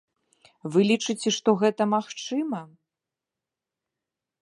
Вы лічыце, што гэта магчыма?